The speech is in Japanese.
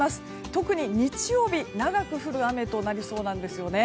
特に日曜日、長く降る雨となりそうなんですよね。